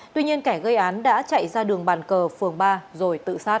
tuy nhiên kẻ gây án đã chạy ra đường bàn cờ phường ba rồi tự sát